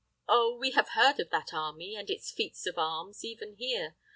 Oh! we have heard of that army, and its feats of arms, even here.